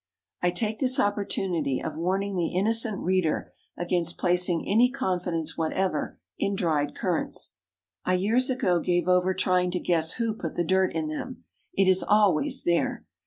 I take this opportunity of warning the innocent reader against placing any confidence whatever in dried currants. I years ago gave over trying to guess who put the dirt in them. It is always there!